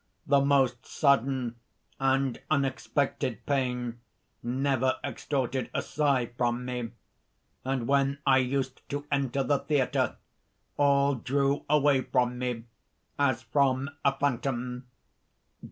The most sudden and unexpected pain never extorted a sigh from me; and when I used to enter the theatre, all drew away from me, as from a phantom."